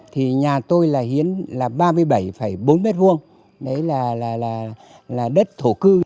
thì nhà tôi là hiến là ba mươi bảy bốn mét vuông đấy là đất thổ cư